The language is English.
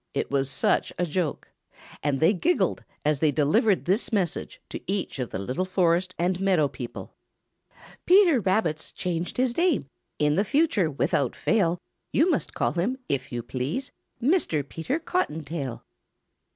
It was such a joke! And they giggled as they delivered this message to each of the little forest and meadow people: "Peter Rabbit's changed his name. In the future without fail You must call him, if you please, Mr. Peter Cottontail."